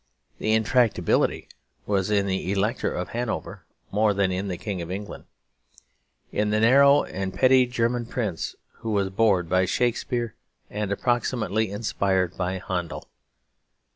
The intractability was in the Elector of Hanover more than in the King of England; in the narrow and petty German prince who was bored by Shakespeare and approximately inspired by Handel.